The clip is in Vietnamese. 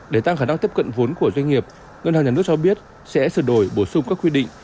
để tăng khả năng tiếp cận vốn của doanh nghiệp ngân hàng nhà nước cho biết sẽ sửa đổi bổ sung các quy định